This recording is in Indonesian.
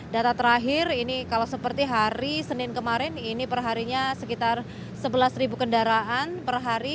data terakhir ini kalau seperti hari senin kemarin ini perharinya sekitar sebelas kendaraan per hari